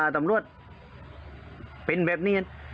ตำรวจเป็นอย่างนี้